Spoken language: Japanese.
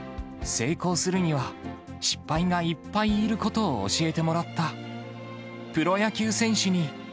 成功するには失敗がいっぱいいることを教えてもらった。